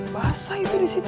basah itu disitu